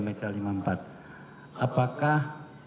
meja lima puluh empat apakah